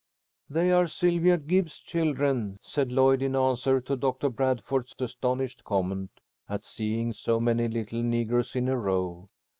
"They are Sylvia Gibbs's children," said Lloyd, in answer to Doctor Bradford's astonished comment at seeing so many little negroes in a row.